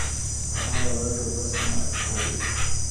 په هغه ورځ به بس زما اختر وي~